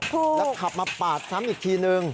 แล้วขับมาปาดซ้ำอีกทีนึง